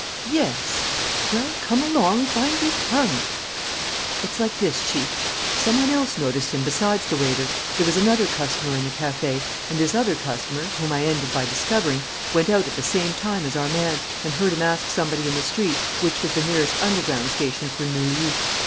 "Yes." "Well, come along, find your tongue!" "It's like this, Chief. Some one else noticed him besides the waiter. There was another customer in the café; and this other customer, whom I ended by discovering, went out at the same time as our man and heard him ask somebody in the street which was the nearest underground station for Neuilly."